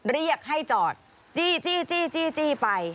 เรียกให้จอดจี้ไป